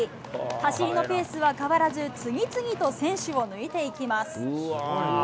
走りのペースは変わらず、次々と選手を抜いていきます。